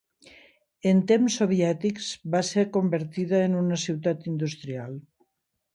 En temps soviètics va ser convertida en una ciutat industrial.